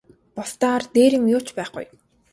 Бусдаар дээр юм юу ч байхгүй.